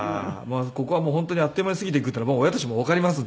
ここは本当にあっという間に過ぎていくっていうのが親としてもわかりますので。